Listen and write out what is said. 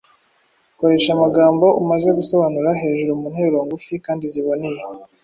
Koresha amagambo umaze gusobanura hejuru mu nteruro ngufi kandi ziboneye.